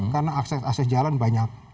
karena akses akses jalan banyak